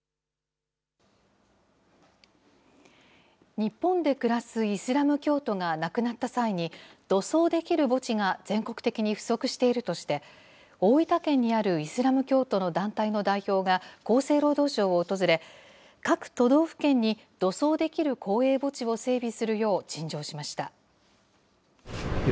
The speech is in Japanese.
日本で暮らすイスラム教徒が亡くなった際に、土葬できる墓地が全国的に不足しているとして、大分県にあるイスラム教徒の団体の代表が厚生労働省を訪れ、各都道府県に土葬できる公営墓地を整備するよう陳情しました。